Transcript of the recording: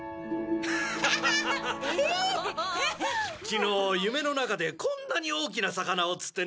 昨日夢の中でこんなに大きな魚を釣ってね。